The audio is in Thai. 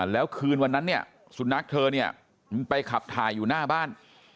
แล้วคืนวันนั้นสุนัขเธอไปขับถ่ายอยู่หน้าบ้าน